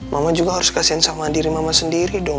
mama juga harus kasihan sama diri mama sendiri dong